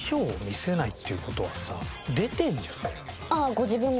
ご自分が？